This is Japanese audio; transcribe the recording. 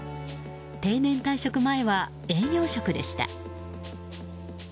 定年退職前は営業職でした。